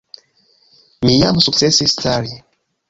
Mi jam sukcesis stari.